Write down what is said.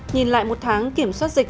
nhìn lại một tháng kiểm soát dịch